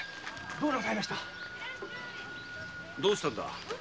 どうしたんだ？